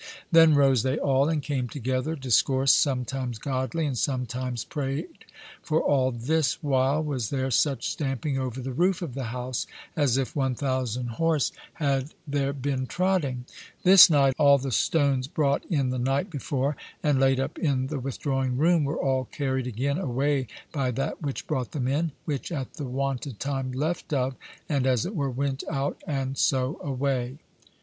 Then rose they all and came together, discoursed sometimes godly and sometimes praied, for all this while was there such stamping over the roof of the house, as if 1000 horse had there been trotting; this night all the stones brought in the night before, and laid up in the withdrawingroom, were all carried again away by that which brought them in, which at the wonted time left of, and, as it were, went out, and so away.